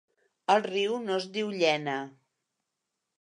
El riu no es diu Llena.